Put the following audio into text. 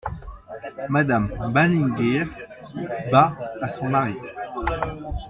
Madame Malingear , bas à son mari.